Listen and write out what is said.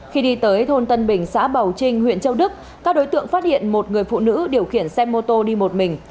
khi đi tới thôn tân bình xã bảo trinh huyện châu đức các đối tượng phát hiện một người phụ nữ điều khiển xe mô tô đi một mình